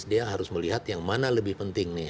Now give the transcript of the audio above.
jadi saya harus melihat yang mana lebih penting nih